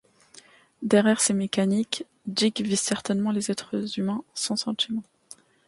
Derrière ces mécaniques, Dick vise certainement les êtres humains sans sentiments.